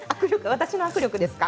私の握力ですか？